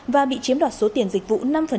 và bị chiếm đoạt số tiền dịch vụ năm